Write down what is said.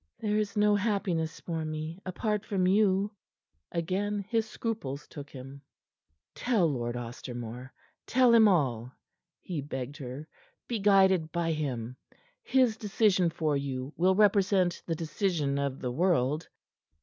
"There is no happiness for me apart from you." Again his scruples took him. "Tell Lord Ostermore tell him all," he begged her. "Be guided by him. His decision for you will represent the decision of the world."